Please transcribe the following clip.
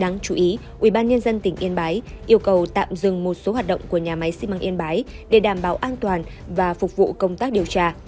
đáng chú ý ubnd tỉnh yên bái yêu cầu tạm dừng một số hoạt động của nhà máy xi măng yên bái để đảm bảo an toàn và phục vụ công tác điều tra